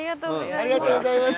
ありがとうございます。